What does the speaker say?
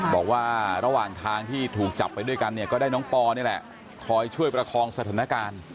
บอกว่าระหว่างทางที่ถูกจับไปด้วยกันเนี่ยก็ได้น้องปอนี่แหละคอยช่วยประคองสถานการณ์